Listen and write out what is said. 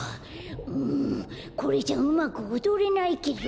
うんこれじゃうまくおどれないけど。